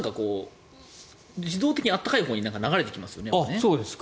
自動的に温かいほうに流れていきますよね。